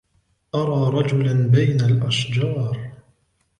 أرى رجلا بين الأشجار.